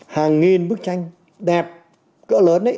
hàng nghìn bức tranh đẹp cỡ lớn